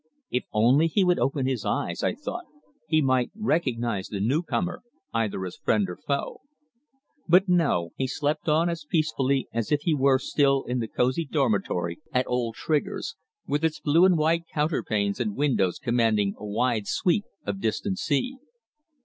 If only he would open his eyes, I thought, he might recognize the new comer, either as friend or foe. But no, he slept on as peacefully as if he were still in the cosy dormitory at old Trigger's, with its blue and white counterpanes and windows commanding a wide sweep of distant sea.